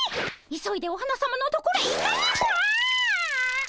急いでお花さまのところへ行かねばああ。